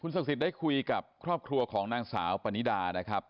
ศักดิ์สิทธิ์ได้คุยกับครอบครัวของนางสาวปณิดานะครับ